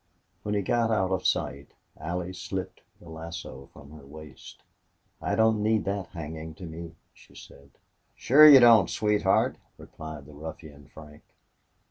When he got out of sight, Allie slipped the lasso from her waist. "I don't need that hanging to me," she said. "Sure you don't, sweetheart," replied the ruffian Frank.